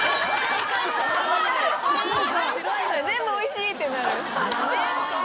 全部おいしいってなる。